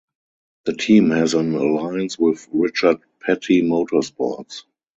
The team has an alliance with Richard Petty Motorsports.